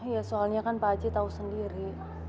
ya soalnya kan pak aci tahu sendiri